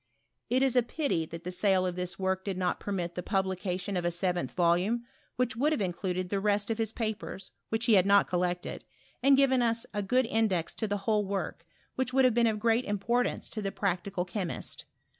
It is a pity that the sale of this work did not permit the publication of a seventh volume, which would have included the rest of his papers, which he had not collected, and given us a good index to the whole work, which would have been of great importance to the practical che o2 I SUTOBT OF CUEHIB1!B.r. mist.